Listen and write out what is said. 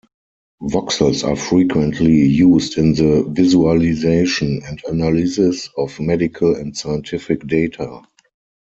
Voxels are frequently used in the visualization and analysis of medical and scientific data.